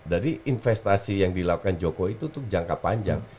dari investasi yang dilakukan jokowi itu tuh jangka panjang